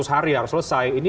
seratus hari harus selesai